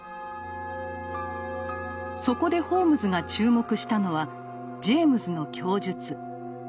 そこでホームズが注目したのはジェイムズの供述。